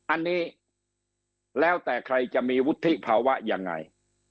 อันนี้แล้วแต่ใครจะมีวุฒิภาวะยังไง